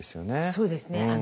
そうですね。